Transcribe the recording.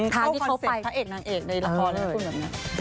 เข้าคอนเซ็ปต์พระเอกนางเอกในละครแบบนี้